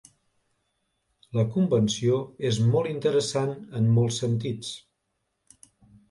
La convenció és molt interessant en molts sentits.